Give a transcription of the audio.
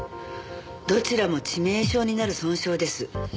どちらも致命傷になる損傷です。